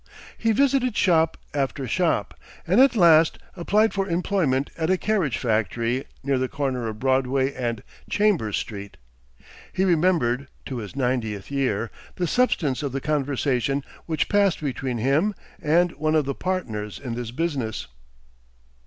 He visited shop after shop, and at last applied for employment at a carriage factory near the corner of Broadway and Chambers Street. He remembered, to his ninetieth year, the substance of the conversation which passed between him and one of the partners in this business.